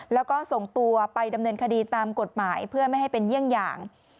แล้วก็ส่งตัวไปดำเนินคดีตามกฎหมายเพื่อไม่ให้เป็นเยี่ยงอย่าง